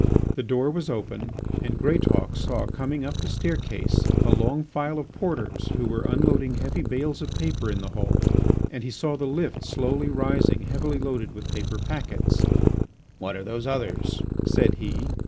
The door was open, and Greatauk saw coming up the stair case a long file of porters who were unloading heavy bales of papers in the hall, and he saw the lift slowly rising heavily loaded with paper packets. "What are those others?" said he.